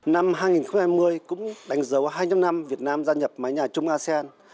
năm hai nghìn hai mươi cũng đánh dấu hai mươi năm năm việt nam gia nhập mái nhà chung asean